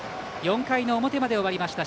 ４回の表まで終わりました